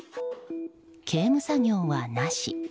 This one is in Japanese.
刑務作業はなし。